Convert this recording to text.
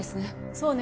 そうね